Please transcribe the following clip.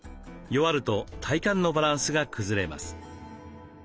弱ると体幹のバランスが崩れます。